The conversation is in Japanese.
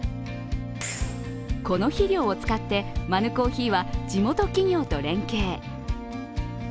この肥料を使ってマヌコーヒーは地元企業と連携。